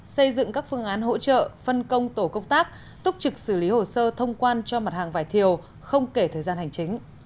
xây dựng các phương án hỗ trợ phân công tổ công tác túc trực xử lý hồ sơ thông quan cho mặt hàng vải thiều không kể thời gian hành chính